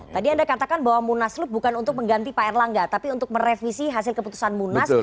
tadi anda katakan bahwa munaslup bukan untuk mengganti pak erlangga tapi untuk merevisi hasil keputusan munas